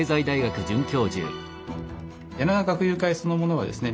柳河學友會そのものはですね